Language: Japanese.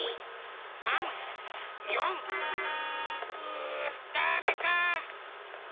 うダメか。